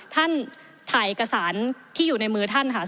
ท่านถ่ายเอกสารที่อยู่ในมือท่านค่ะ